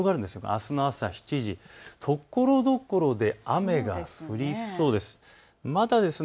あすの朝７時、ところどころで雨が降りそうです。